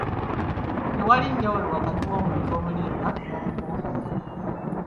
Tewali njawulo wakati w'omuntu omulimba n'omukumpanya.